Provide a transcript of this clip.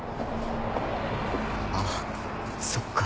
あっそっか。